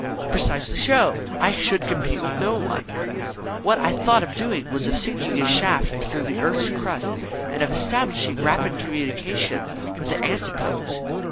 "Precisely so. I should compete with no one. What I thought of doing was of sinking a shaft through the earth's crust, and of establishing rapid communication with the Antipodes.